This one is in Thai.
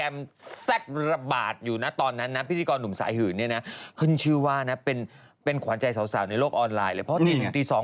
ไม่ใช่ไลน์